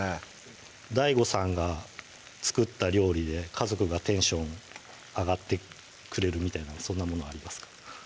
ＤＡＩＧＯさんが作った料理で家族がテンション上がってくれるみたいなそんなものありますか？